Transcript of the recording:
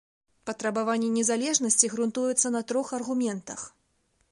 Патрабаванне незалежнасці грунтуецца на трох аргументах.